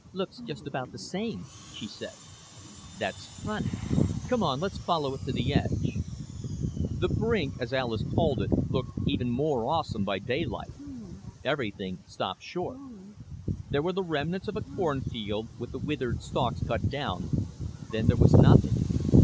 "Looks just about the same," she said. "That's funny. Come on; let's follow it to the edge." The brink, as Alis called it, looked even more awesome by daylight. Everything stopped short. There were the remnants of a cornfield, with the withered stalks cut down, then there was nothing.